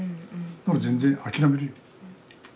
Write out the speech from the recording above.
だから全然諦めるよ。